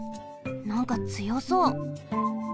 なんかつよそう。